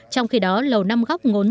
trong khi đó lầu năm góc ngốn